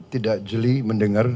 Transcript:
tidak jeli mendengar